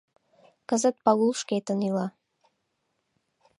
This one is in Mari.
Кызыт Пагул шкетын ила.